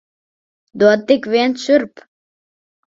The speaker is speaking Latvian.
Dod tik vien šurp!